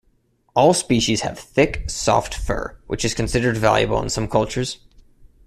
All species have thick, soft fur, which is considered valuable in some cultures.